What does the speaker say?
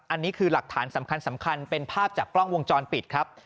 อันนี้คือหลักฐานสำคัญเป็นภาพจากกล้องวงจรปิดครับ